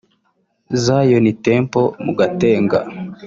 Zion Temple mu Gatenga